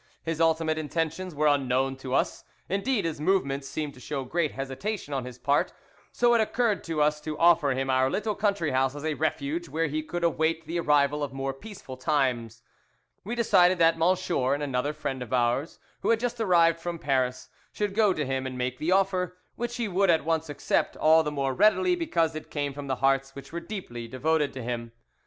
His ultimate intentions were unknown to us, indeed his movements seemed to show great hesitation on his part, so it occurred to us to offer him our little country house as a refuge where he could await the arrival of more peaceful times. We decided that M____ and another friend of ours who had just arrived from Paris should go to him and make the offer, which he would at once accept all the more readily because it came from the hearts which were deeply devoted to him.